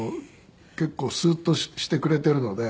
結構スーッとしてくれているので。